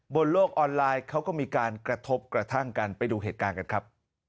บนโลกออนไลน์เขาก็มีการกระทบกระทั่งกันไปดูเหตุการณ์กันครับ